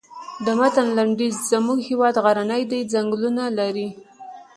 د متن لنډیز زموږ هېواد غرنی دی ځنګلونه لري.